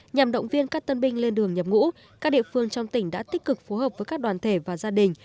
nhằm động viên các tân binh lên đường nhập ngũ các địa phương trong tỉnh đã tích cực phối hợp với các đoàn thể và gia đình